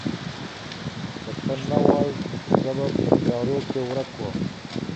که ته نه وای، زه به په تیارو کې ورک وم.